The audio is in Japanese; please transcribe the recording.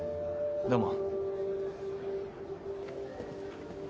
どうも。